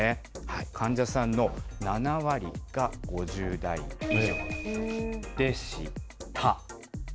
患者さんの７割が５０代以上でした。